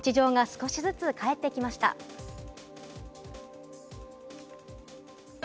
日常が少しずつ帰ってきました。